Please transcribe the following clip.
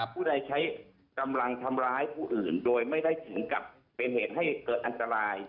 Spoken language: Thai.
ผู้ใดใช้กำลังทำร้ายผู้อื่นโดยไม่ได้ถึงกับเป็นเหตุให้เกิดอันตราย